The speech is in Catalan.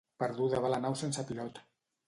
Perduda va la nau sense pilot.